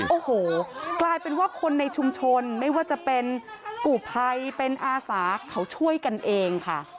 โอ้โหกลายเป็นว่าคนในชุมชนไม่ว่าจะเป็นกู่ภัยเป็นอาสาเขาช่วยกันเองค่ะ